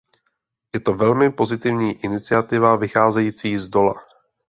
Je to velmi pozitivní iniciativa vycházející zdola.